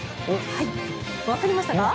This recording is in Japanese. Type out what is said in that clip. わかりましたか？